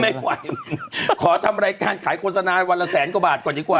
ไม่ไหวขอทำรายการขายโฆษณาวันละแสนกว่าบาทก่อนดีกว่า